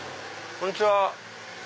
こんにちは。